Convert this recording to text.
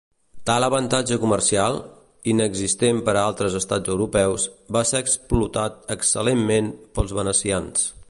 Tal avantatge comercial, inexistent per a altres estats europeus, va ser explotat excel·lentment pels venecians.